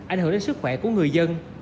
ảnh hưởng đến sức khỏe của người dân